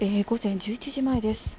午前１１時前です。